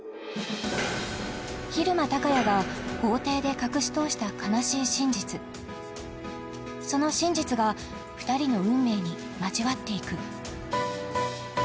蛭間隆也が法廷で隠し通した悲しい真実その真実が２人の運命に交わっていく